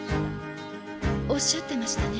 おっしゃってましたね。